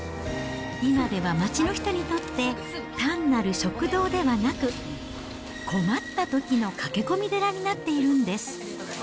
今では町の人にとって、単なる食堂ではなく、困ったときの駆け込み寺になっているんです。